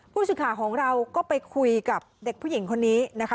ผู้สื่อข่าวของเราก็ไปคุยกับเด็กผู้หญิงคนนี้นะคะ